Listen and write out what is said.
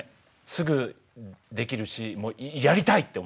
すぐできるしやりたいって思った。